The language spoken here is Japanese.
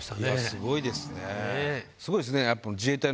すごいですね。